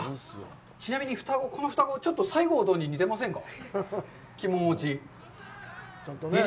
ちなみにこの双子、ちょっと西郷どんに似てませんか？